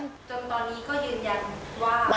จนตอนนี้ก็ยืนยันว่า